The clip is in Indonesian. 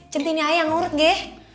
cintinnya aja ngurut ya